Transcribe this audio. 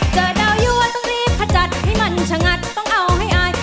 เจอดาวยั่วต้องรีบขจัดให้มันชะงัดต้องเอาให้อาย